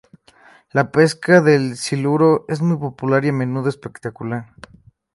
La pesca del siluro es muy popular y a menudo espectacular.